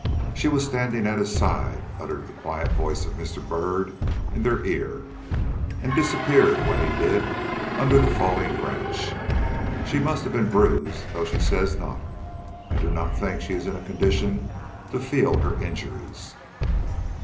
"She was standing at his side," uttered the quiet voice of Mr. Byrd in their ear; "and disappeared when he did, under the falling branch. She must have been bruised, though she says not. I do not think she is in a condition to feel her injuries."